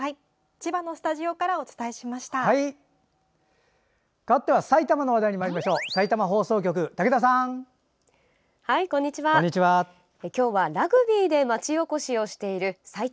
千葉のスタジオからお伝えしました。